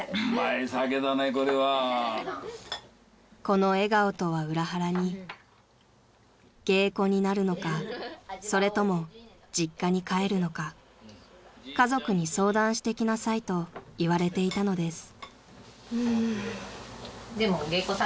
［この笑顔とは裏腹に芸妓になるのかそれとも実家に帰るのか家族に相談してきなさいと言われていたのです］